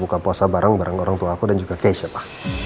soalnya papa sama mama untuk buka puasa bareng orangtuaku dan juga keisha pa